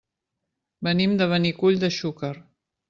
Venim de Benicull de Xúquer.